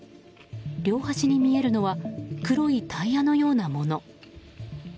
両端に見えるのは黒いタイヤのようなもの。